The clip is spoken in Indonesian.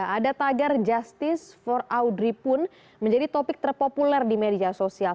ada tagar justice for audrey pun menjadi topik terpopuler di media sosial